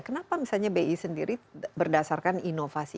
kenapa misalnya bi sendiri berdasarkan inovasi